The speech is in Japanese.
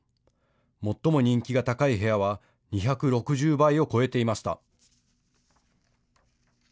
最も人気が高い部屋は２６０倍を超えていました。